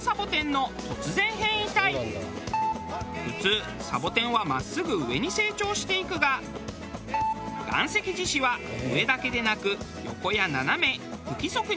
普通サボテンは真っすぐ上に成長していくが岩石獅子は上だけでなく横や斜め不規則に成長。